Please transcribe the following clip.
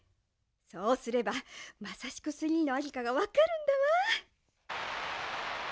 そうすればマサシク３のありかがわかるんだわ。